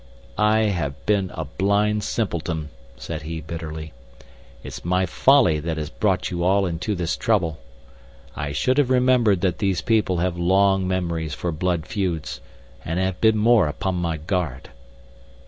"I have been a blind simpleton," said he, bitterly, "It's my folly that has brought you all into this trouble. I should have remembered that these people have long memories for blood feuds, and have been more upon my guard."